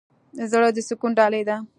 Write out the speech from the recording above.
زړه د سکون ډالۍ ده.